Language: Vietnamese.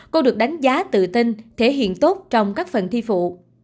cô được đánh giá tự tin thể hiện tốt trong các phần thi phụ